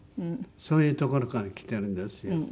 そういうところからきてるんですよ。